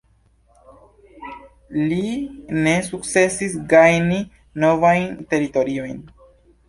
Li ne sukcesis gajni novajn teritoriojn.